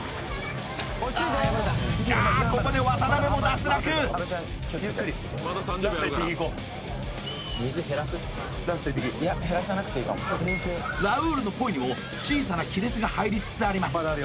あーここで渡辺も脱落ゆっくりラスト１匹いこうラウールのポイにも小さな亀裂が入りつつあります